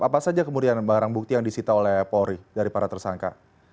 apa saja kemudian barang bukti yang disita oleh polri dari para tersangka